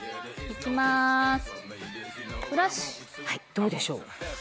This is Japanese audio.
どうでしょう？